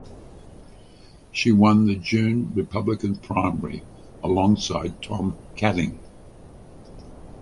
She won the June Republican primary alongside Tom Kading.